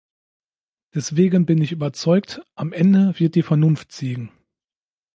Deswegen bin ich überzeugt, am Ende wird die Vernunft siegen!